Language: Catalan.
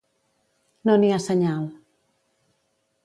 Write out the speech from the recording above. No n'hi ha senyal.